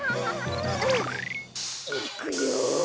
いくよ！